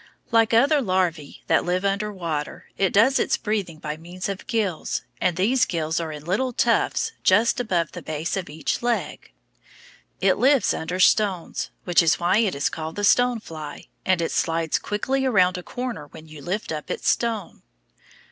Like other larvæ that live under water, it does its breathing by means of gills, and these gills are in little tufts just above the base of each leg. It lives under stones, which is why it is called the stone fly, and it slides quickly around a corner when you lift up its stone.